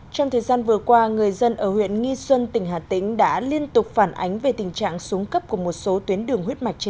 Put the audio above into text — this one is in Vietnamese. trong thời gian vừa qua người dân ở huyện nghi xuân tỉnh hà tĩnh đã liên tục phản ánh về tình trạng súng cấp của một số tuyến đường